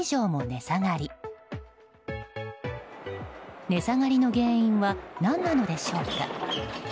値下がりの原因は何なのでしょうか。